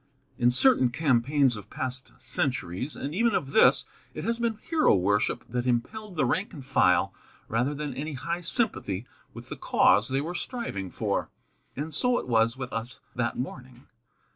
In certain campaigns of past centuries, and even of this, it has been hero worship that impelled the rank and file rather than any high sympathy with the cause they were striving for. And so it was with us that morning.